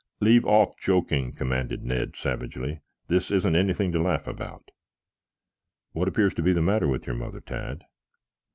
"Leave off joking," commanded Ned savagely. "This isn't anything to laugh about. What appears to be the matter with your mother, Tad?"